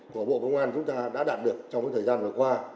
của bộ công an chúng ta đã đạt được trong thời gian vừa qua